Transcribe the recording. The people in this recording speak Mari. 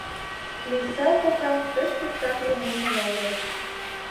Лийса кока ты спектакльым ужын огыл.